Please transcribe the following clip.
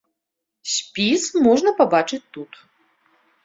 Спіс можна пабачыць тут.